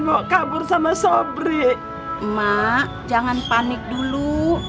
mak jangan panik dulu